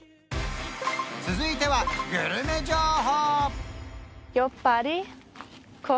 続いてはグルメ情報！